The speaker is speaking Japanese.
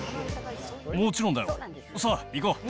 もちろんだよ、さあ、行こう。